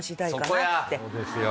そうですよ。